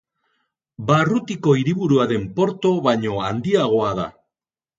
Barrutiko hiriburua den Porto baino handiagoa da.